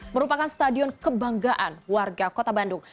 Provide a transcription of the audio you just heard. merupakan stadion kebanggaan warga kota bandung